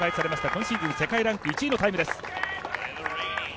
今シーズン世界ランク１位のタイムです。